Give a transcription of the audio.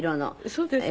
そうですか？